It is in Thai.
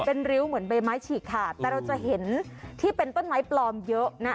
เป็นริ้วเหมือนใบไม้ฉีกขาดแต่เราจะเห็นที่เป็นต้นไม้ปลอมเยอะนะ